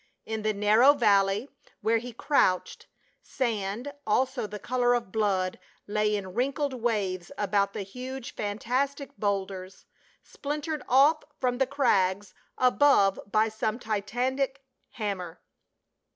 In the narrow valley where he crouched, sand also the color of blood lay in wrinkled waves about the huge fantastic boulders, splintered off from the crags above by some Titanic hammer.